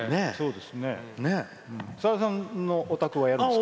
さださんのお宅はやるんですか？